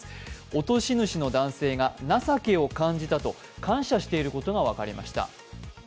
落とし主の男性が、情けを感じたと感謝していることが分かりました。